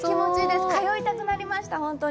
通いたくなりました、本当に。